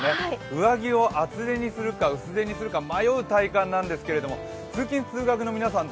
上着を厚手にするか薄手にするか迷う体感なんですけど通勤・通学の皆さん